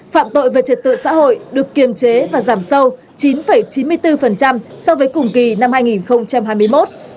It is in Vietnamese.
phạm tội về trật tự xã hội được kiềm chế và giảm sâu chín chín mươi bốn so với cùng kỳ năm hai nghìn hai mươi một